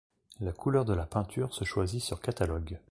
la couleur de la peinture se choisit sur catalogue